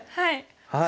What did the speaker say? はい。